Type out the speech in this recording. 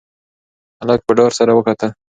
هلک په ډار سره وکتل.